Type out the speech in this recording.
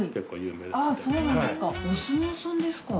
あっそうなんですか